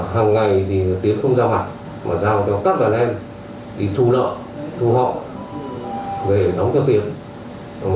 hàng ngày thì tiến không ra mặt mà giao cho các đàn em đi thu lợi thu họ về đóng cho tiến